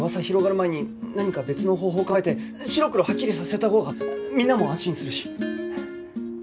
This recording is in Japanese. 広がる前に何か別の方法を考えて白黒はっきりさせたほうがみんなも安心するし。